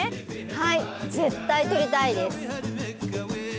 はい絶対撮りたいです。